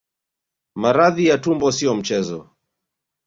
Maradhi ya tumbo sio mchezo